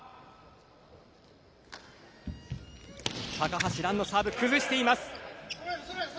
高橋藍のサーブ崩しています。